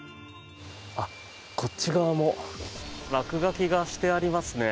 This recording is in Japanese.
こっち側も落書きがしてありますね。